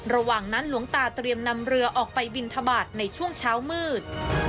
ระหว่างนั้นหลวงตาเตรียมนำเรือออกไปบินทบาทในช่วงเช้ามืด